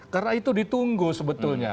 karena itu ditunggu sebetulnya